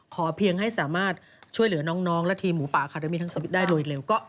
เพียงให้สามารถช่วยเหลือน้องและทีมหมูป่าอาคาเดมี่ทั้งชีวิตได้โดยเร็ว